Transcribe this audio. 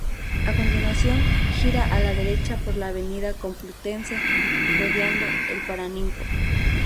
A continuación, gira a la derecha por la Avenida Complutense rodeando el Paraninfo.